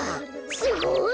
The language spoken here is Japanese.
すごい！